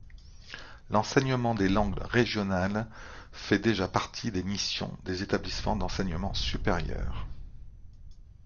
L’enseignement des langues régionales fait déjà partie des missions des établissements d’enseignement supérieur.